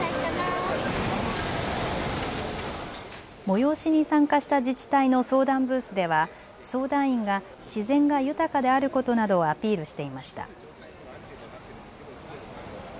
催しに参加した自治体の相談ブースでは相談員が自然が豊かであることなどをアピールしていました。